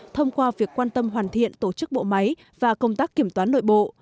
thông qua việc quan tâm hoàn thiện tổ chức bộ máy và công tác kiểm toán nội bộ